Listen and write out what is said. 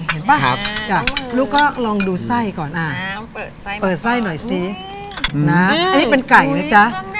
ป่ะลูกก็ลองดูไส้ก่อนเปิดไส้หน่อยสินะอันนี้เป็นไก่นะจ๊ะ